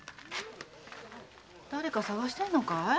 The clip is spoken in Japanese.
誰か捜してんのかい？